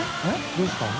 どうしたの？